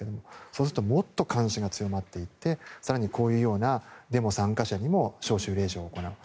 そうするともっと監視が強まっていって更に、こういうデモ参加者にも招集令状を渡す。